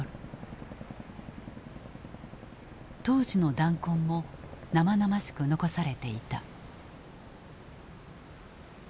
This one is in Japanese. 当時の弾痕も生々しく残されていた。